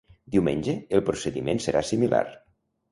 Diumenge, el procediment serà similar.